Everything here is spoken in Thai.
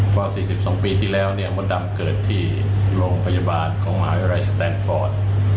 เพราะ๔๒ปีที่แล้วเนี่ยมดดำเกิดที่โรงพยาบาลของมหาวิทยาลัยสแตนฟอร์ด